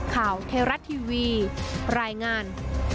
ข่าวเทราะทีวีรายงาน